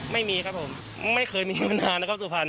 ไม่มีครับผมไม่เคยมีปัญหานะครับสุพรรณ